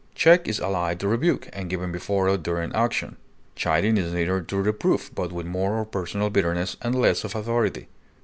Check is allied to rebuke, and given before or during action; chiding is nearer to reproof, but with more of personal bitterness and less of authority.